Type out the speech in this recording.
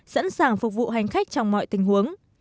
sẵn sàng phục vụ hành khách trong mọi tình huống